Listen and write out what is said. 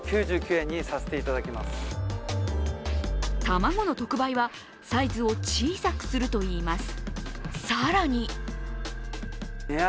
卵の特売はサイズを小さくするといいます。